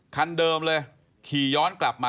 คันเดิมเลยขี่ย้อนกลับมา